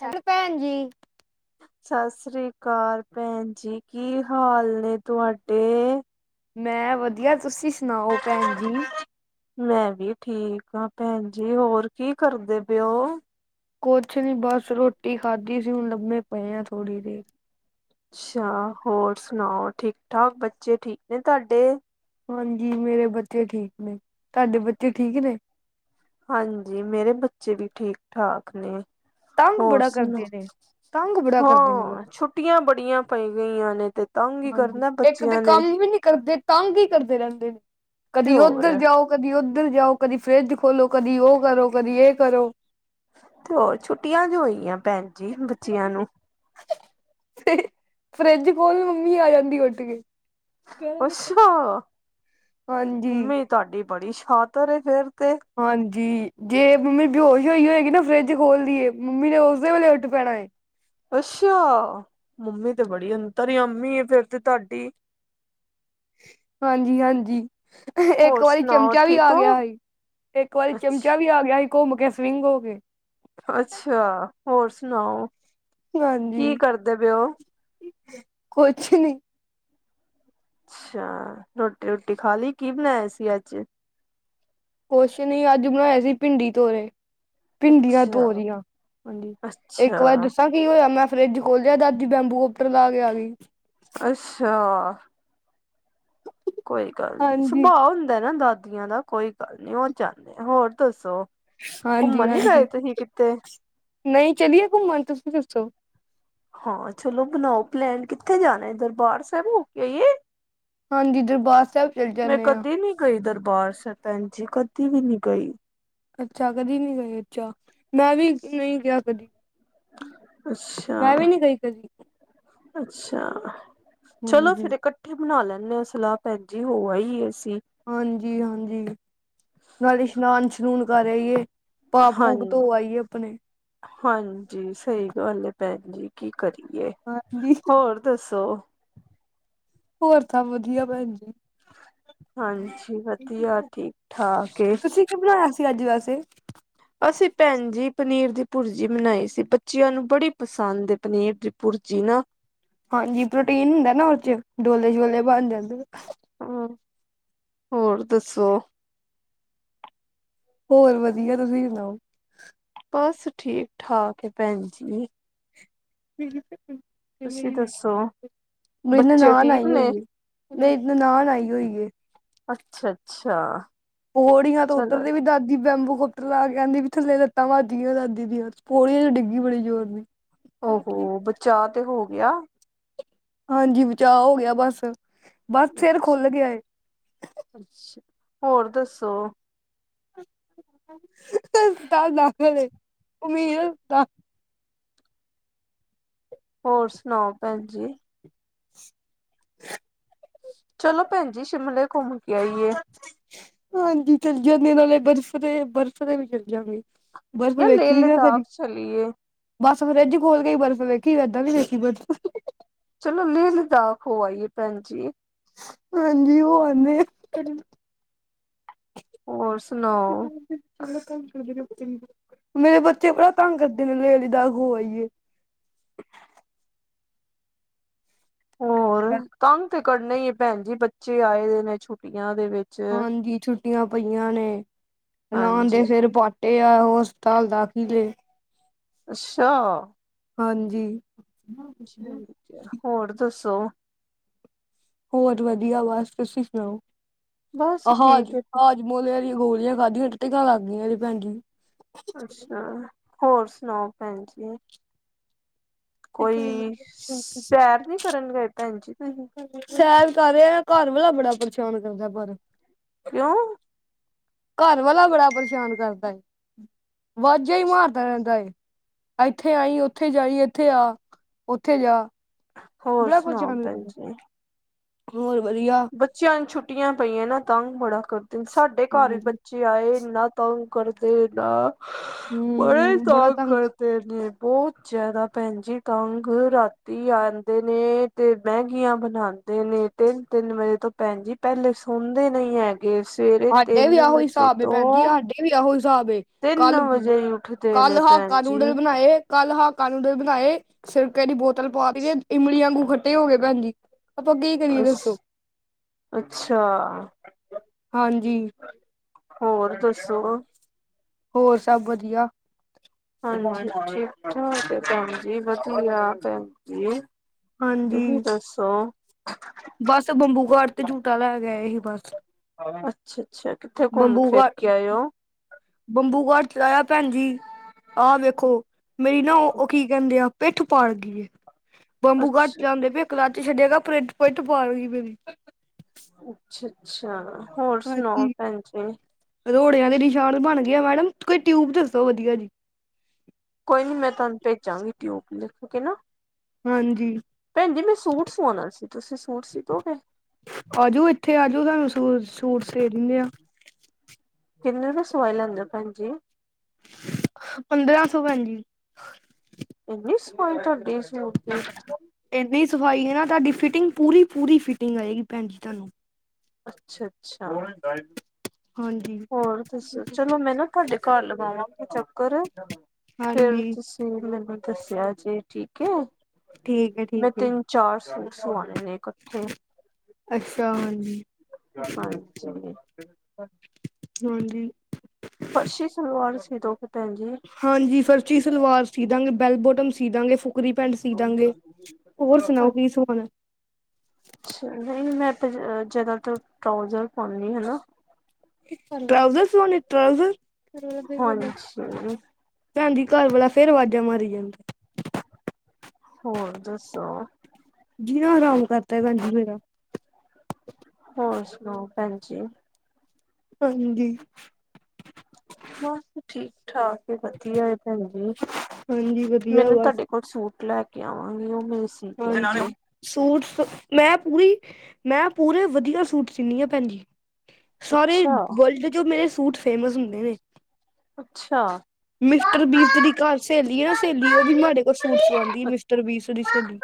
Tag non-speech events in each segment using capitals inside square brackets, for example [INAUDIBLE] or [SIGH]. ਹ ਭੈਣ ਜੀ ਸਤਿ ਸ੍ਰੀ ਅਕਾਲ ਭੈਣ ਜੀ ਕੀ ਹਾਲ ਨੇ ਤੁਹਾਡੇ ਮੈਂ ਵਧੀਆ ਤੁਸੀਂ ਸੁਣਾਓ ਭੈਣ ਜੀ ਮੈਂ ਵੀ ਠੀਕ ਹਾਂ ਭੈਣ ਜ ਹੋਰ ਕੀ ਕਰਦੇ ਪੇਓ ਕੁਛ ਨੀ ਬਸ ਰੋਟੀ ਖਾਧੀ ਸੀ ਹੁਣ ਲੰਮੇ ਪਏ ਆ ਥੋੜੀ ਦੇਰ ਅੱਛਾ ਹੋਰ ਸੁਣਾਓ ਠੀਕ ਠਾਕ ਬੱਚੇ ਠੀਕ ਨੇ ਤੁਹਾਡੇ ਹਾਂਜੀ ਮੇਰੇ ਬੱਚੇ ਠੀਕ ਨੇ ਤੁਹਾਡੇ ਬੱਚੇ ਠੀਕ ਨੇ ਹਾਂਜੀ ਮੇਰੇ ਬੱਚੇ ਵੀ ਠੀਕ ਠਾਕ ਨੇ ਤੰਗ ਹੋਰ ਬੜਾ ਸੁਣ ਕਰਦੇ ਨੇ। ਤੰਗ ਬੜਾ ਕਰਦੇ ਨੇ ਹਾਂ ਛੁ ਛੁੱਟੀਆਂ ਬੜੀਆਂ ਪੈ ਗਈਆਂ ਨੇ ਤੇ ਤੰਗ ਹੀ ਹਾਂਜੀ ਕਰਨਾ ਇੱਕ ਤਾਂ ਬੱਚਿਆਂ ਨੇ ਕੰਮ ਵੀ ਨੀ ਕਰਦੇ ਤੰਗ ਹੀ ਕਰਦੇ ਰਹਿੰਦੇ ਨੇ ਤੇ ਕਦੀ ਓਧਰ ਹੋਰ ਜਾਓ ਕਦੀ ਉੱਧਰ ਜਾਓ ਕਦੀ ਫਰਿਜ ਖੋਲੋ ਕਦੀ ਉਹ ਕਰੋ ਕਦੀ ਇਹ ਕਰੋ ਤੇ ਹੋਰ ਛੁੱਟੀਆਂ ਜੋ ਹੋਈਆਂ ਭੈਣ ਜੀ ਬੱਚਿਆਂ ਨੂੰ ਫਰਿਜ ਖੋਲੋ ਮੰਮੀ ਆ ਜਾਂਦੀ ਉਠ ਕੇ ਅੱਛਾ ਹਾਂਜੀ। ਮੰਮੀ ਤੁਹਾਡੀ ਬੜੀ ਛਾਤਰ ਫੇਰ ਤੇ ਹਾਂਜੀ ਜੇ ਮੰਮੀ ਬੇ ਹੋਸ਼ ਹੋਈ ਹੋਏਗੀ ਨਾ ਫਰਿੱਜ ਖੋਲਦੀ ਏ ਮੰਮੀ ਨੇ ਉਸਦੇ ਵੇਲੇ ਉੱਠ ਪੈਣਾ ਅੱਛਾ ਮੰਮੀ ਤੇ ਬੜੀ ਅੰ ਤਰਯਾਮੀਏ ਫੇਿਰ ਤੇ ਤੁਹਾਡੀ ਹਾਂਜੀ ਹਾਂਜੀ ਇੱਕ ਹੋਰ ਵਾਰੀ ਸੁਣਾਓ ਚਮਚਾ ਵੀ ਠੀਕ ਆ ਹੋ? ਗਿਆ ਸੀ ਇੱਕ ਵਾਰੀ ਅੱਛਾ, ਚਮਚਾ ਵੀ ਆ ਗਿਆ ਸੀ ਘੁੰਮ ਕੇ ਸਵਿੰਗ ਹੋ ਕੇ ਅੱਛਾ ਹੋਰ ਸੁਣਾਓ ਕੀ ਹਾਂਜੀ ਕਰਦੇ ਪਏ ਓ? ਕੁਛ ਨੀ ਅੱਛਾ ਰੋਟੀ ਰੋਟੀ ਖਾ ਲਈ ਕੀ ਬਣਾਆਏ ਸੀ ਅੱਜ ਕੁਛ ਨ ਅੱਜ ਬਣਾਏ ਸੀ ਭਿੰਡੀ ਤੋਰੇ ਭਿੰਡੀਆਂ ਤੋ ਅੱਛਾ, ਰੀਆਂ ਹਾਂਜੀ ਇੱਕ ਵਾਰ ਅੱਛਾ, ਦੱਸਾਂ ਕੀ ਹੋਇਆ ਮੈਂ ਫਰਿੱਜ ਖੋਲਿਆ ਦਾਦੀ ਬੈਂਬੂ ਕੋਪਟਰ ਲਾ ਕੇ ਆ ਗਈ ਅੱਛਾ ਕੋਈ ਗੱਲ ਨੀ ਹਾਂਜੀ। ਸੁਭਾਅ ਹੁੰਦਾ ਨਾ ਦਾਦੀਆਂ ਦਾ ਕੋਈ ਗੱਲ ਨਹੀ ਉਹ ਚਾਨੇ ਹੋਰ ਦੱਸੋ ਹਾਂਜੀ ਘੁੰਮਣ ਨੀ ਗਏ ਹਾਂਜੀ ਤੁਸੀਂ ਕਿੱਥਤੇ ਨਹੀਂ ਚਲੀਏ ਘੁੰਮਣ ਤੁਸੀਂ ਦੱਸੋ ਹਾਂ ਚਲੋ ਬਣਾਓ ਪਲੈਨ ਕਿੱਥੇ ਜਾਣਾ ਦਰਬਾਰ ਸਾਬ ਹੋ ਕੇ ਆਈਏ ਹਾਂਜੀ ਦਰਬਾਰ ਸਾਬ ਚਲੇ ਮੈਂ ਜਾਂਦੇ ਹਾਂ ਕਦੇ ਨੀ ਗਈ ਦਰਬਾਰ ਸਾਬ ਤਾ ਭੈਂਜੀ ਕਦੀ ਵੀ ਨਹੀਂ ਗਈ ਅੱਛਾ ਕਦੀ ਨਹੀਂ ਗੇ ਅੱਛਾ ਮੈਂ ਵੀ ਨਹੀਂ ਗਿਆ ਕਦੀ ਅੱਛਾ, ਮੈਂ ਵੀ ਨਹੀਂ ਗਈ ਕਦੀ ਅੱਛਾ ਚਲੋ ਫਿਰ ਹਾਂਜੀ ਇਕੱ ਇਕਠੇ ਬਣਾ ਲੈਂਦੇ ਸਲਾਹ ਭੈਜੀ ਹੋ ਆਈਏ ਅਸੀਂ ਹਾਂਜੀ ਹਾਂਜੀ ਨਾਲੇ ਇਸ਼ਨਾਨ ਸਸ਼ਨੂਨ ਕਰ ਆ ਈਏ ਪਾਪ ਹਾਂ ਪੂਪ ਧੋਆਈਏ ਆਪਣੇ ਹਾਂਜੀ ਸਹੀ ਗੱਲ ਹੈ ਭੈਣ ਜੀ ਕੀ ਕਰੀਏ ਹਾਂਜੀ ਹੋਰ ਦੱਸੋ ਹੋਰ ਸਬ ਵਧੀਆ ਭੈਣ ਜ ਹਾਂਜੀ ਵਧੀਆ ਠੀਕ ਠਾਕ ਹੈ ਤੁਸੀਂ ਕੀ ਬਣਾਏਆ ਸੀ ਅੱਜ ਵੈਸੇ ਅਸੀਂ ਭੈਣ ਜੀ ਪਨੀਰ ਦੀ ਪੁਰਜੀ ਬਣਾਈ ਸੀ ਬੱਚਿਆਂ ਨੂੰ ਬੜੀ ਪਸੰਦ ਏ ਪਨੀਰ ਦੀ ਪੁਰਜੀ ਨਾ। ਹਾਂਜੀ ਪ੍ਰੋਟੀਨ ਹੁੰਦਾ ਨਾ ਉਦ 'ਚ ਡੋਲੇ ਸੋਲੇ ਬਣ ਜਾਂਦੇ। ਹੂੰ, ਹੋਰ ਦੱਸੋ? ਹੋਰ ਵਧੀਆ ਤੁਸੀਂ ਸੁਣਾਓ? ਬਸ ਠੀਕ-ਠਾਕ ਏ ਭੈਣ ਜੀ। [INAUDIBLE] ਤੁਸੀਂ ਦੱਸੋ? ਮੈ ਬੱਚੇ ਨਨਾਣ ਠੀਕ ਆਈ ਨੇ? ਹੋਈ ਏ, ਮੇਰੀ ਨਾਨਣ ਆਈ ਹੋਈ ਏ। ਅੱਛਾ-ਅੱਛਾ। ਪੋੜੀਆਂ ਤੋਂ ਉਤਰਦੀ ਵੀ ਦਾਦੀ ਬੈਂਬੂ ਗ ਤਲਾ ਕੇ ਕਹਿੰਦੀ ਵੀ ਥੱਲੇ ਲੱਤਾਂ ਵੱਜਦੀਆ ਦਾਦੀ ਦੀਆਂ ਪੌੜੀਆਂ 'ਚ ਡਿੱਗੀ ਬੜੀ ਜੋੋਰ ਦੀ। ਓ ਹੋ ਬਚਾਅ ਤੇ ਹੋ ਗਿਆ? ਹਾਂਜੀ ਬਚਾਅ ਹੋ ਗਿਆ ਬਸ, ਬਸ ਸਿਰ ਖੁੱਲ ਗਿਆ ਏ। ਅੱਛ, ਹੋਰ ਦੱਸੋ? [UNINTELLIGIBLE] ਹੋਰ ਸੁਣਾਓ ਭੈਣ ਜੀ? [INAUDIBLE] ਚਲੋ ਭੈਣ ਜੀ ਸ਼ਿਮਲੇ ਘੁੰਮ ਕੇ ਆਈਏ? ਹਾਂਜੀ ਚੱਲ ਜਾਂਦੇ ਨਾਲੇ ਬਰਫ਼ ਦੇ ਬਰਫ਼ ਦੇ ਵੀ ਚੱਲ ਜਾਂਗੇ। ਬਰਫ਼ ਜਾਂ ਲੇਹ ਵੇਖਨੀ ਨਾ ਕਦੀ। ਲਦਾਖ ਚਲੀਏ ਬੱਸ ਫਰਿੱਜ ਖੋਲ ਕੇ ਈ ਬਰਫ਼ ਵੇਖੀ ਏਦਾਂ ਵੀ ਵੇਖੀ ਬਰਫ਼। ਚਲੋ ਲੇ ਲਦਾਖ ਹੋ ਆਈਏ ਭੈਣ ਜੀ। ਹਾਂਜੀ ਹੋ ਆਨੇ ਆ। ਹੋਰ ਕੀ ਸੁਣਾਓ ਕਰਦੇ? [INAUDIBLE] ਮੇਰੇ ਬੱਚੇ ਬੜਾ ਤੰਗ ਕਰਦੇ ਨੇ ਲੇ ਲਦਾਖ ਹੋ ਆਈਏ। [INAUDIBLE] ਹੋਰ ਤੰਗ 'ਤੇ ਕਰਨਾ ਈ ਏ ਭੈਣ ਜੀ ਬੱਚੇ ਆਏ ਦੇ ਨੇ ਛੁੱਟੀਆਂ ਦੇ ਵਿੱ ਹਾਂਜੀ ਛੁੱਟੀਆਂ ਪਈਆਂ ਨੇ, ਨਾ ਆਂਦੇ ਹਾਂਜੀ ਫਿਰ ਪਾ ਟੇ ਆ ਹੋ ਹਸਪਤਾਲ ਦਾਖੀਲੇ। ਅੱਛਾ! ਹਾਂਜੀ। ਠੀਕ ਐ ਹੋਰ ਦੱਸੋ? ਹੋਰ ਵਧੀਆ ਬਸ ਤੁਸੀਂ ਸੁਣਾਓ, ਬਸ ਅਹਾਜ ਠੀਕ ਹੈ ਅ ਮੋਲੇ ਦੀਆਂ ਗੋਲੀਆਂ ਖਾਧੀਆਂ ਟਟੀਆ ਲੱਗ ਗੀਆ ਰੇ ਭੈਣ ਜੀ। ਅੱਛਾ, ਹੋਰ ਸੁਣਾਓ ਭੈਣ ਜੀ। ਕੋਈ ਸੈਰ ਨੀ ਕਰਨ ਗਏ ਭੈਣ ਜੀ? ਤੁਸੀਂ ਸੈਰ ਕਰ ਰਿਹਾ ਘਰ ਵਾਲਾ ਬੜਾ ਪਰੇਸ਼ਾਨ ਕਰਦਾ ਪਰ। ਕਿਉਂ? ਘਰ ਵਾਲਾ ਬੜਾ ਪਰੇਸ਼ਾਨ ਕਰਦਾ ਐ। ਵਾਜਾ ਈ ਮਾਰਦਾ ਰਹਿੰਦਾ ਏ। ਐਥੇ ਆਈ, ਉੱਥੇ ਜਾਈ, ਏਥੇ ਆ, ਉੱਥੇ ਜਾ। ਹੋਰ ਬੜਾ ਸੁਣਾਓ ਪਰੇਸਾਨ ਭੈਣ ਕਰਦਾ, ਜੀ ਹੋਰ ਵਧੀਆ। ਬੱਚਿਆਂ ਨੂੰ ਛੁੱਟੀਆਂ ਪਈਆਂ ਨਾ ਤੰਗ ਬੜਾ ਕਰਦੇ ਸਾਡੇ ਘਰ ਬੱ ਹਾਂਜੀ ਚੇ ਆਏ ਏਨਾਂ ਨਾਂ ਤੰਗ ਕਰਦੇ ਨਾਂ ਬੜਾ ਈ ਤੰਗ ਕਰ ਦੇ ਨੇ ਬੋਤ ਜਿਆਦਾ ਭੈਣ ਜੀ ਤੰਗ ਰਾਤੀ ਆਂਦੇ ਨੇ ਤੇ ਮੈਗੀਆਂ ਬਣਾਦੇ ਨੇ। ਤਿੰਨ- ਤਿੰਨ ਵਜੇ ਤੋਂ ਭੈਣ ਜੀ ਪਹਲੇ ਸੌਂਦੇ ਨਹੀਂ ਹੈ। ਤੇ ਸਵੇਰੇ ਤਿੰਨ ਵਜੇ ਤੋਂ ਇਹ ਵੀ ਆ ਉਹੀ ਸਾਬ ਏ ਤਿੰਨ ਕੱਲ- ਵਜੇ ਹੀ ਉੱਠਦੇ ਕੱਲ ਨੇ ਭੈਣ ਹਾਕਾ ਨੂਡਲ ਜੀ ਬਣਾਏ। ਕੱਲ ਹਾਕਾ ਨੂਡਲ ਬਣਾਏ ਸਿਰਕੇ ਦੀ ਬੋਤਲ ਪਾ ਕੇ ਇਮਲੀ ਆਂਗੂ ਖੱਟੇ ਹੋ ਗੇ ਪੈਣਜੀ। ਬਸ ਅੱਛਾ। ਹਾਂਜੀ। ਹੋਰ ਦੱਸੋ? ਹੋਰ ਸਭ ਵਧੀਯਾ। ਹਾਂਜੀ ਠੀਕ-ਠਾਕ ਭੈਣ ਜੀ, ਵਧੀਆ ਭੈਣ ਜੀ। ਤੁਸੀ ਦੱਸੋ? ਬੱਸ ਬੰਬੂ ਘਾਟ 'ਤੇ ਝੂਟਾ ਲੇ ਕੇ ਆਏ ਹੀ ਬਸ। ਅੱਛਾ-ਅੱਛਾ ਕਿੱਥੇ ਕੁਮ ਬੰਬੂ ਫਿਰ ਘਾਟ ਕੇ ਆਏ ਓ? ਬੰਬੂ ਘਾਟ ਚਲਾਯਾ ਪੈਣ ਜੀ ਆਹ ਵੇਖੋ। ਮੇਰੀ ਨਾ ਉਹ-ਉਹ ਕੀ ਕਹਿੰਦੇ ਆ ਪਿੱਠ ਪਾੜ ਗੀ ਏ, ਬੰਬੂ ਘਾਟ ਅੱਛਾ ਚਲਾਦੇ ਪੇ ਕਲੱਚ ਛੱਡਆ ਨਾ ਉਹ ਪਿਠ ਪਿੱਠ ਪਾਡ ਗੀ ਮੇਰੀ। ਅੱਛਾ-ਅੱਛਾ ਹੋਰ ਸੁਣਾਓ ਪੈਣ ਜੀ? ਰੋੜਆਂ ਦੇ ਨਿਸ਼ਾਨ ਬਣ ਗੇਆ ਮੈਡਮ ਕੋਈ ਟਊਬ ਦੱਸੋ ਵਧਿਯਾ ਜੀ। ਕੋਈ ਨੀ ਮੈਂ ਤਾਨੂੰ ਭੇਜਾਂਗੀ ਟਊਪ ਲਿਖ ਕੇ ਨਾ। ਹਾਂਜੀ ਪੈਣਜੀ ਮੈਂ ਸੂਟ ਸਵਾਣਾ ਸੀ, ਤੁਸੀਂ ਸੂਟ ਸੀ ਦੋਗੇ? ਆਜੋ ਇੱਥੇ ਆਜੋ ਤੁਹਾਨੂੰ ਸੂ ਸੂਟ ਸੀ ਦਿੰਨੇ ਆ। ਕਿੰਨੇ ਦਾ ਸਵਾਈ ਲੈਂਦੇ ਓ ਪੈਣ ਜੀ? ਪੰਦਰਾਂ ਸੌ ਪੈਣਜੀ। ਏਨੀ ਸਫਾਈ ਤਵਾਡੇ ਸੂਟ ਦੀ। ਏਨੀ ਸਫਾਈ ਯਾ ਤਾਡੀ ਫਿਟਿੰਗ ਪੂਰੀ-ਪੂਰੀ ਫਿਟਿੰਗ ਆਏਗੀ ਭੈਣ ਜੀ ਤਾਨੂੰ। ਅੱਛਾ-ਅੱਛਾ, ਹਾਂਜੀ ਹੋਰ ਦੱਸੋ? ਚਲੋ ਮੈਂ ਨਾ ਤਾਡੇ ਘਰ ਲਵਾਵਾਂਗੀ ਚੱਕਰ, ਫੇਰ ਹਾਂਜੀ ਤੁਸ ਦੀ ਮੈਨੂੰ ਦੱਸਿਆ ਜੇ ਠੀਕ ਏ, ਠੀਕ ਹੈ ਮੈਂ ਠੀਕ ਹੈ ਤਿੰਨ ਚਾਰ ਸੂਟ ਸਵਾਣੇ ਨੇ ਕੱਠੇ। ਅੱਛਾ ਹਾਂਜੀ। ਹਾਂ ਜੀ। [UNINTELLIGIBLE] ਹਾਂਜੀ। ਫਰਸ਼ੀ ਸਲਵਾਰ ਸੀ ਦੋ ਫੇਰ। ਹਾਂਜੀ ਫਰਚੀ ਸਲਵਾਰ ਸੀ ਦਾਂਗੇ, ਬੈਲ ਬੋਟਮ ਸੀ ਦਾਂਗੇ ਫ ਕੁਰੀ ਪੈਂਟ ਸੀ ਦਾਂਗੇ, ਹੋਰ ਸੁਣਾਓ ਕੀ ਸਵਾਣਾ? ਅੱਛਾ ਨਈ ਮੈਂ ਤਾ ਜ ਜਾਦਾਤਰ ਟਰਉਜ਼ਰ ਪਾ ਨੀ ਹਨਾ। ਟਰਾਊਜ਼ਰ ਸਵਾਣੇ ਟਰਾਜਰ। ਹਾਂਜੀ ਪੈਣਜੀ ਕਰ ਵਾਲਾ ਫੇਰ ਵਾਜ਼ਾਂ ਮਾਰੀ ਜਾਂਦਾ। ਹੋਰ ਦੱਸੋ? ਜੀਨਾ ਹਰਾਮ ਕਰਤੈ ਪੈਜੀ ਮੇਰਾ। ਹੋਰ ਸੁਣਾਓ ਪੈਣ ਜੀ। ਹਾਂਜੀ। ਸਵਾ, ਠੀਕ-ਠਾਕ ਏ ਵਧੀਆ ਏ ਪੈਣ ਜੀ, ਹਾਂਜੀ ਵਧੀਆ ਮੈਨੂੰ ਬਸ ਤਾਡੇ ਕੁਝ ਸੂਟ ਲੈ ਕੇ ਆਵਾਂਗੀ ਉਹ ਮੇਸ ਹਾਂਜੀ। ਸੂਟਸ ਮੈਂ ਪੂਰੀ, ਮੈਂ ਪੂਰੇ ਵਧੀਆ ਸੂਟ ਸੀਨੀ ਆ ਪੈਣ ਜੀ। ਸਾਰੇ ਅੱਛਾ ਵਰਲਡ 'ਚ ਮੇਰੇ ਸੂਟ ਫੇਮਸ ਹੁੰਦੇ ਨੇ। ਅੱਛਾ! ਮਿਸਟਰ ਬੀਸਟ ਦੀ ਘਰ ਸੇਲੀ ਏ ਨਾ, ਸੇਲੀ ਉਹ ਵੀ ਮਾਰੇ ਕੋ ਸੂਟ ਸਵਾਦੀ ਏ, ਮਿਸਟਰ ਬੀਸ ਦੀ ਸੇਲੀ।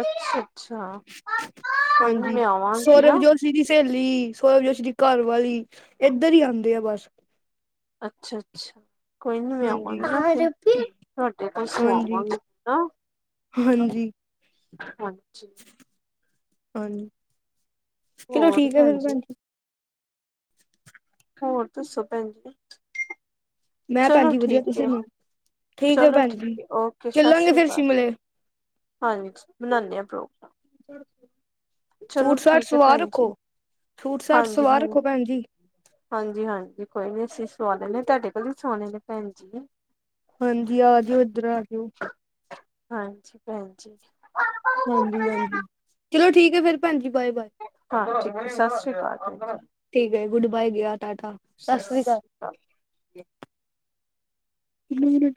ਅੱਛਾ, ਅੱਛਾ। ਕੋਈ ਨੀ ਹਾਂਜੀ ਮੈਂ ਆਵਾਂਗੀ ਸੌਰਵ ਨਾ, ਜੋਸ਼ੀ ਦੀ ਸੇਲੀ, ਸੋਰਬ ਜੋਸ਼ੀ ਦੀ ਘਰ ਵਾਲੀ, ਏਧਰ ਈ ਆਂਦੇ ਆ ਬਸ। ਅੱਛਾ, ਅੱਛਾ। ਕੋਈ ਨੀ ਮੈਂ ਆਵਾਂਗੀ ਹਾਂਜੀ ਨਾ ਫਿਰ। ਤੁਹਾਡੇ ਕੋਲ ਹਾਂਜੀ ਸਵਾਵਾਂਗੀ। ਹਾਂ ਹਾਂਜੀ। ਹਾਂਜੀ। ਹਾਂਜੀ, ਚਲੋ ਠੀਕ ਏ, ਫਿਰ ਭੈਣ ਜੀ। ਹੋਰ ਦੱਸੋ ਭੈਣ ਜੀ? ਮੈਂ ਭੈਣ ਚਲੋ ਜੀ ਵਧੀਆ ਠੀਕ ਤੁਸੀਂ ਏ। ਸੁਣਾਓ ਠੀਕ ਹੈ ਚਲੋ ਭੈਣ ਜੀ ਠੀਕ ਓਕੇ, ਸਸ ਚੱਲਾਂਗੇ ਸ਼੍ਰੀ ਫਿਰ ਅਕਾਲ। ਸ਼ਿਮਲੇ ਹਾਂਜੀ, ਬਣਾਂਦੇ ਪ੍ਰੋਗਰਾਮ। ਸੂਟ ਸਾਟ ਠੀਕ ਹੈ ਸਵਾਂ ਭੈਣ ਜੀ ਰੱਖੋ, ਸੂਟ ਸਾਟ ਹਾਂਜੀ ਸਵਾਂ ਹਾਂਜੀ ਰੱਖੋ ਭੈਣ ਜੀ। ਹਾਂਜੀ, ਹਾਂਜੀ ਕੋਈ ਨੀ ਅਸੀਂ ਸਵਾਂ ਲੈਨੇ ਆ, ਤੁਹਾਡੇ ਕੋਲ ਹੀ ਸਿਵਾਉਣੇ ਨੇ ਭੈਣ ਜੀ। ਹਾਂਜੀ। ਆਜਿਓ ਇੱਧਰ, ਆਜਿਓ। ਹਾਂਜੀ। ਭੈਣ ਜੀ। ਹਾਂਜੀ, ਹਾਂਜੀ। ਚਲੋ ਠੀਕ ਹੈ ਫੇਰ ਭੈਣਜੀ, ਬਾਏ -ਬਾਏ, ਹਾਂਜੀ, ਸਤਿ ਸ੍ਰੀ ਅਕਾਲ ਜੀ। ਠੀਕ ਏ, ਗੁਡ ਬਾਏ, ਗਿਆ ਟਾਟਾ। ਸਤਿ ਸਸ ਸ੍ਰੀ ਅਕਾਲ। ਸ਼੍ਰੀ ਕਾਲ। ਹੁਣੇ ਨੀ